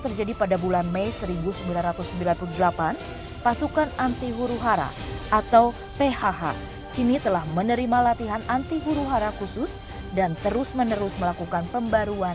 pemirsa bisa kita lihat bersama